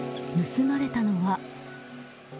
盗まれたのは。